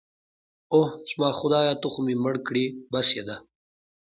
اوه، زما خدایه ته خو مې مړ کړې. بس يې ده.